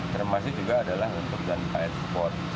termasih juga adalah untuk dan pr support